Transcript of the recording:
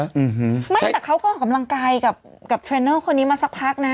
อืมไม่แต่เขาก็ออกกำลังกายกับเทรนเนอร์คนนี้มาสักพักนะ